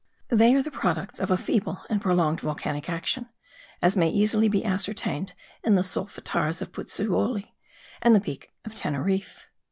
They are the products of a feeble and prolonged volcanic action, as may be easily ascertained in the solfataras of Puzzuoli and the Peak of Teneriffe.